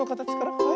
はい。